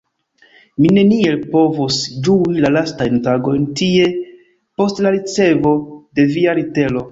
Mi neniel povus ĝui la lastajn tagojn tie post la ricevo de via letero.